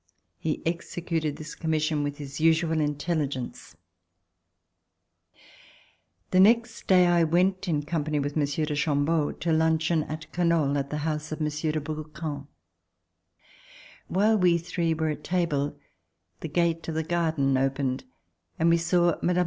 He executed this commission with his usual intelligence. RECOLLECTIONS OF THE REVOLUTION The next day I went in company with Monsieur de Chambeau to luncheon at Canoles at the house of Monsieur de Brouquens. While we three were at the table the gate of the garden opened and we saw Mme.